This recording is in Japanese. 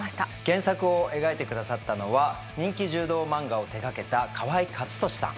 原作を描いて下さったのは人気柔道漫画を手がけた河合克敏さん。